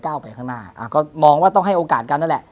ไปข้างหน้าก็มองว่าต้องให้โอกาสกันนั่นแหละ